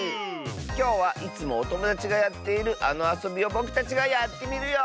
きょうはいつもおともだちがやっているあのあそびをぼくたちがやってみるよ！